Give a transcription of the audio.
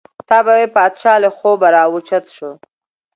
تا به وې پاچا له خوبه را او چت شو.